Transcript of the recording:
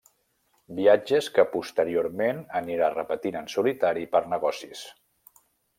Viatges que posteriorment anirà repetint en solitari per negocis.